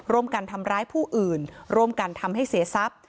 ร่วมกันทำร้ายผู้อื่นร่วมกันทำให้เสียทรัพย์